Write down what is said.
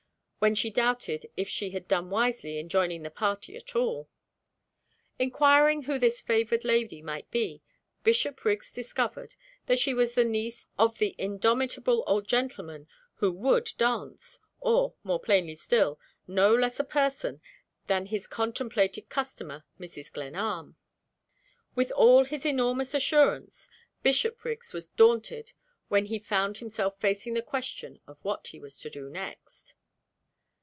when she doubted if she had done wisely in joining the party at all. Inquiring who this favored lady might be, Bishopriggs discovered that she was the niece of the indomitable old gentleman who would dance or, more plainly still, no less a person than his contemplated customer, Mrs. Glenarm. With all his enormous assurance Bishopriggs was daunted when he found himself facing the question of what he was to do next.